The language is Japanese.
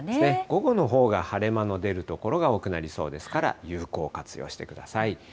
午後のほうが晴れ間の出る所が多くなりそうですから、有効活用してください。